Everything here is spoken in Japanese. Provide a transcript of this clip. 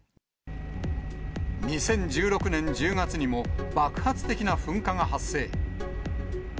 ２０１６年１０月にも、爆発的な噴火が発生。